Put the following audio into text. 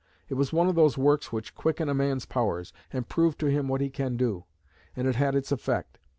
It was one of those works which quicken a man's powers, and prove to him what he can do; and it had its effect.